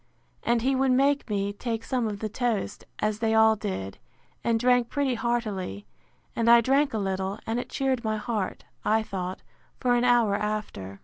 And he would make me, take some of the toast; as they all did, and drank pretty heartily: and I drank a little, and it cheered my heart, I thought, for an hour after.